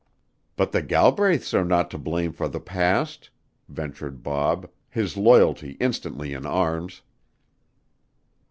"But the Galbraiths are not to blame for the past," ventured Bob, his loyalty instantly in arms.